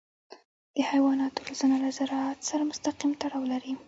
د حیواناتو روزنه له زراعت سره مستقیم تړاو لري.